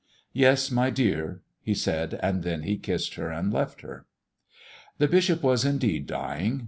"Yes, my dear," he said. And then he kissed her and left her. The bishop was, indeed, dying.